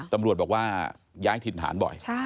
ตำรวจบอกว่าย้ายถิ่นฐานบ่อย